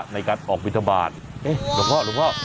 ในการออกวิทยาบาลเนี้ยหลวงพ่อหลวงพ่อ